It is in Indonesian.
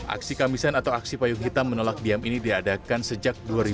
aksi kamisan atau aksi payung hitam menolak diam ini diadakan sejak dua ribu